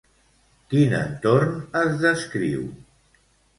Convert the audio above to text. Quin entorn es descriu?